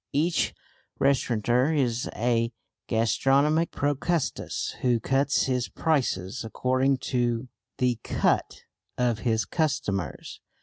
Each restaurateur is a gastronomic Procrustes who cuts his prices according to "the cut" of his customers.